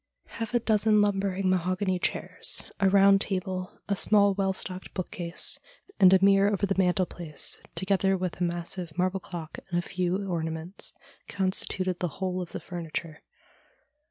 Half a dozen lumbering ma hogany chairs, a round table, a small, well stocked bookcase, and a mirror over the mantelpiece, together with a massive marble clock and a few ornaments, constituted the whole of 220 STORIES WEIRD AND WONDERFUL the furniture.